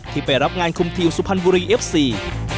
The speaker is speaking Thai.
ไปรับงานคุมทีมสุพรรณบุรีเอฟซี